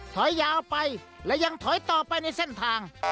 ถอยยาวไปและยังถอยต่อไปในเส้นทาง